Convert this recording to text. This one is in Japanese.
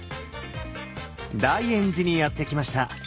大圓寺にやって来ました。